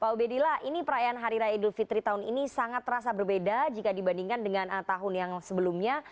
pak ubedillah ini perayaan hari raya idul fitri tahun ini sangat terasa berbeda jika dibandingkan dengan tahun yang sebelumnya